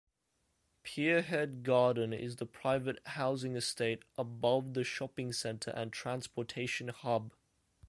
Pierhead Garden is the private housing estate above the shopping centre and transportation hub.